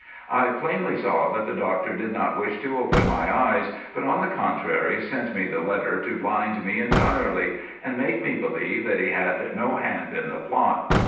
I plainly saw that the Doctor did not wish to open my eyes, but, on the contrary, sent me the letter to blind me entirely, and make me believe, that he had no hand in the plot.